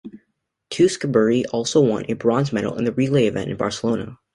Tewksbury also won a bronze medal in the relay event in Barcelona.